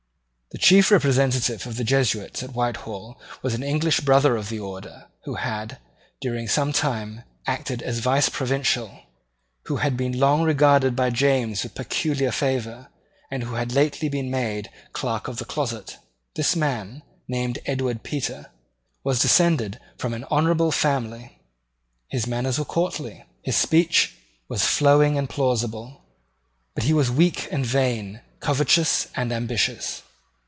The chief representative of the Jesuits at Whitehall was an English brother of the Order, who had, during some time, acted as Viceprovincial, who had been long regarded by James with peculiar favour, and who had lately been made Clerk of the Closet. This man, named Edward Petre, was descended from an honourable family. His manners were courtly: his speech was flowing and plausible; but he was weak and vain, covetous and ambitious.